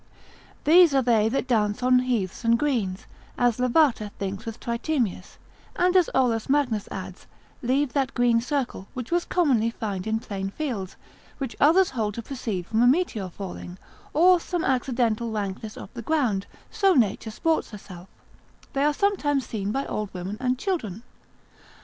These are they that dance on heaths and greens, as Lavater thinks with Tritemius, and as Olaus Magnus adds, leave that green circle, which we commonly find in plain fields, which others hold to proceed from a meteor falling, or some accidental rankness of the ground, so nature sports herself; they are sometimes seen by old women and children.